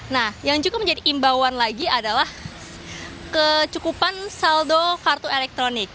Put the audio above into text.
nah yang juga menjadi imbauan lagi adalah kecukupan saldo kartu elektronik